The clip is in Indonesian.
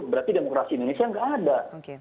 berarti demokrasi indonesia nggak ada